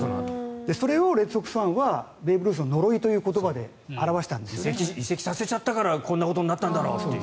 それをレッドソックスファンはベーブ・ルースの呪いという言葉で移籍させちゃったからこんなことになったんだろうと。